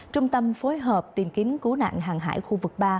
trung tâm phối hợp tìm kiếm cứu nạn hàng hải khu vực ba